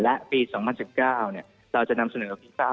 และปี๒๐๑๙เราจะนำเสนอปี๙